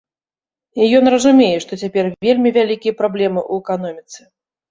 І ён разумее, што цяпер вельмі вялікія праблемы ў эканоміцы.